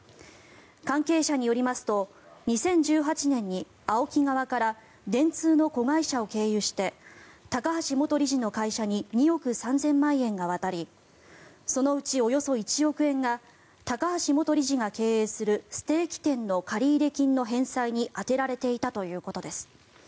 関係者によりますと２０１８年にＡＯＫＩ側から電通の子会社を経由して高橋元理事の会社に２億３０００万円が渡りそのうち、およそ１億円が高橋元理事が経営するステーキ店の借入金の返済に充てられていたということです。